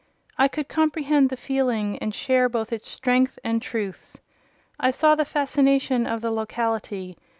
I could comprehend the feeling, and share both its strength and truth. I saw the fascination of the locality.